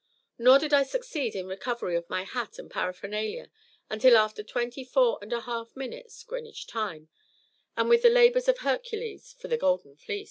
Nor did I succeed to the recovery of my hat and paraphernalia until after twenty four and a half minutes (Greenwich time), and with the labours of Hercules for the golden fleece!